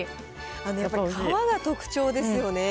やっぱり皮が特徴ですよね。